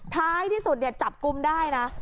ท้ายที่สุดจับกลุ่มได้นะ